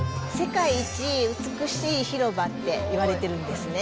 世界一美しい広場って言われてるんですね。